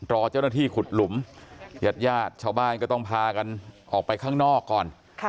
รอเจ้าหน้าที่ขุดหลุมญาติญาติชาวบ้านก็ต้องพากันออกไปข้างนอกก่อน